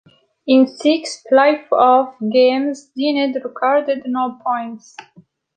In six playoff games, Dineen recorded no points.